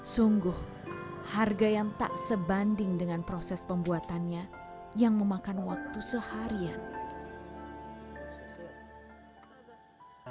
sungguh harga yang tak sebanding dengan proses pembuatannya yang memakan waktu seharian